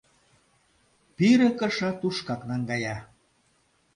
Пире кыша тушкак наҥгая.